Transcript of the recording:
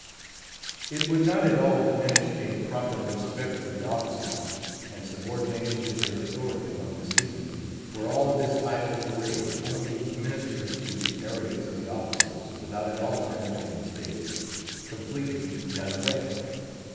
It would not at all diminish a proper respect for the officers, and subordination to their authority among the seamen, were all this idle parade—only ministering to the arrogance of the officers, without at all benefiting the state—completely done away.